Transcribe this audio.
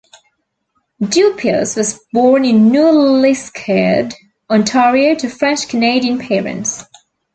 Dupuis was born in New Liskeard, Ontario to French-Canadian parents.